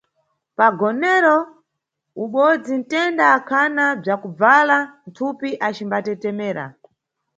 Pa nʼgonero ubodzi mtenda akhana bzakubvala mthupi acimbatetemera.